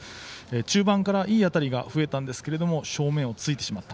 中盤から、いい当たりが増えたんですけども正面を突いてしまった。